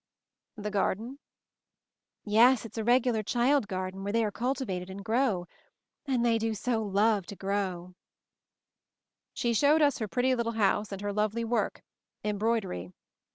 "The Garden ?" "Yes; it's a regular Child Garden, where they are cultivated and grow! And they do so love to growl" She showed us her pretty little house and her lovely work — embroidery.